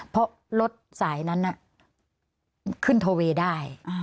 เพราะรถสายนั้นขึ้นทเวได้